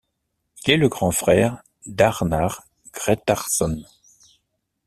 Il est le grand frère d'Arnar Grétarsson.